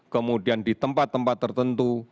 kemudian di tempat tempat tertentu